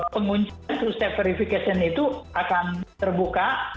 penguncian true step verification itu akan terbuka